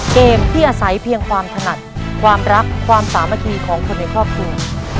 เกมที่อาศัยเพียงความถนัดความรักความสามัคคีของคนในครอบครัว